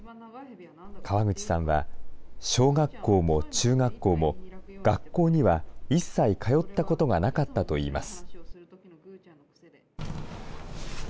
川口さんは、小学校も中学校も学校には一切通ったことがなかったといいます。